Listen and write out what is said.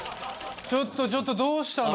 ちょっとちょっとどうしたの？